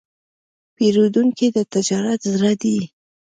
پیرودونکی د تجارت زړه دی.